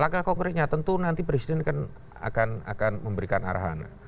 langkah konkretnya tentu nanti presiden akan memberikan arahan